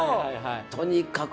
とにかく